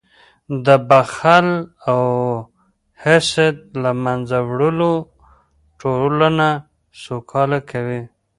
د بخل او حسد له منځه وړل ټولنه سوکاله کوي.